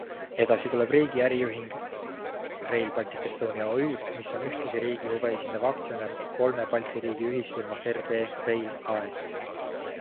Edasi tuleb riigi äriühing Rail Baltic Estonia OÜ, mis on ühtlasi riigi huve esindav aktsionär kolme Balti riigi ühisfirmas RB Rail AS.